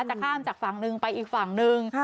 จะข้ามจากฝั่งหนึ่งไปอีกฝั่งหนึ่ง